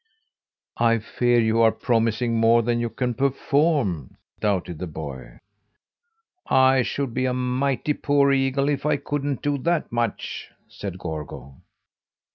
"I fear you are promising more than you can perform," doubted the boy. "I should be a mighty poor eagle if I couldn't do that much," said Gorgo.